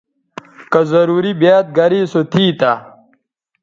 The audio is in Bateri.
کہ ضروری بیاد گریسو تھی تہ